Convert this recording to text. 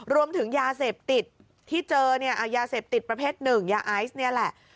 รวมถึงยาเสพติดที่เจอเนี่ยยาเสพติดประเภทหนึ่งยาไอซ์นี่แหละ